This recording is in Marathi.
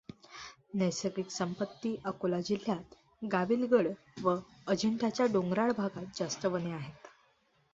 नैसर्गिक संपत्ती अकोला जिल्ह्यात गाविलगड व अजिंठ्याच्या डॊंगरराळ भागात जास्त वने आहेत.